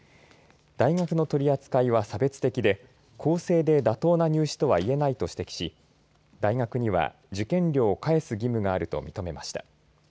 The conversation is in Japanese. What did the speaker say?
大学の取り扱いは差別的で公正で妥当な入試とはいえないと指摘し大学には受験料を返す義務があると認めました。